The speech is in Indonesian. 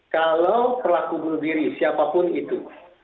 kalau pelaku bunuh diri siapapun itu